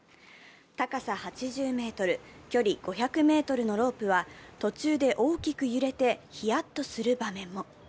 高さ８０ｍ、距離５００ｍのロープは途中で大きく揺れてヒヤッとする場面も。